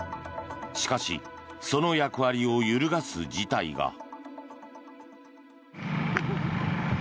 しかし、その役割を揺るがす事態が。